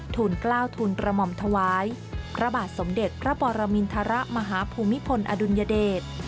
ทุนกล้าวทุนกระหม่อมถวายพระบาทสมเด็จพระปรมินทรมาฮภูมิพลอดุลยเดช